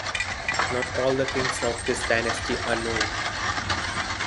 Not all the kings of this dynasty are known.